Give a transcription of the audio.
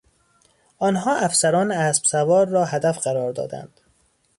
آنها افسران اسبسوار را هدف قرار دادند.